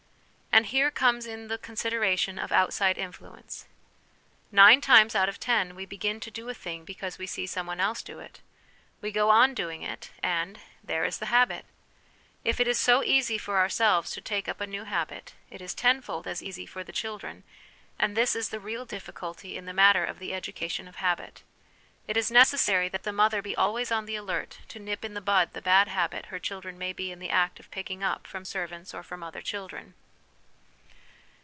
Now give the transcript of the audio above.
And here comes in the consideration of outside influence. Nine times out of ten we begin to do a thing because we see some one else do it ; we go on doing it, and there is the habit ! If it is so easy for ourselves to take up a new habit, it is tenfold as easy for the children ; and this is the real difficulty in the matter of the education of habit. It is necessary that the mother be always on the alert to nip in the bud the bad habit her children may be in the act of picking up from servants or from other children.